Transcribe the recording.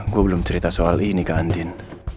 gue belum cerita soal ini ke andin